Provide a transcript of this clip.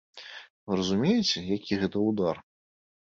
Вы разумееце, які гэта ўдар?